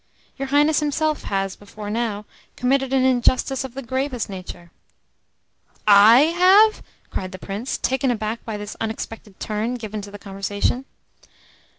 Your Highness himself has, before now, committed an injustice of the gravest nature." "I have?" cried the Prince, taken aback by this unexpected turn given to the conversation.